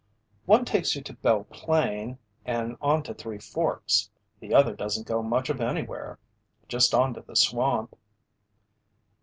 "One takes you to Belle Plain and on to Three Forks. The other doesn't go much of anywhere just on to the swamp."